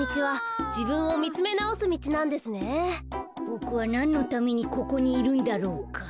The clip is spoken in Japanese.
ボクはなんのためにここにいるんだろうか。